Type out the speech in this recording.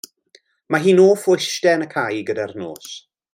Mae hi'n hoff o ista yn y cae gyda'r nos.